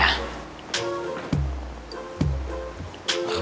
aduh nggak suka ya